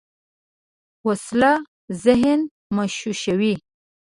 وسله ذهن مشوشوي